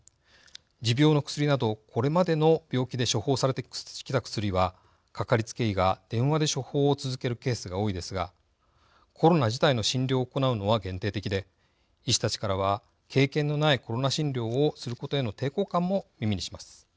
持病の薬など、これまでの病気で処方されてきた薬はかかりつけ医が電話で処方を続けるケースが多いですがコロナ自体の診療を行うのは限定的で、医師たちからは経験のないコロナ診療をすることへの抵抗感も耳にします。